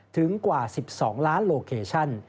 ถึงกว่า๑๒ล้านโลเคชัน